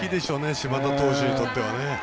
島田投手にとってはね。